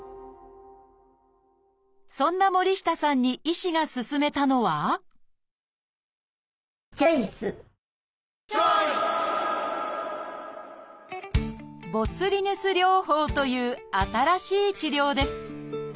そんな森下さんに医師が勧めたのはチョイス！という新しい治療です。